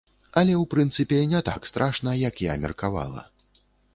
Але, у прынцыпе, не так страшна, як я меркавала.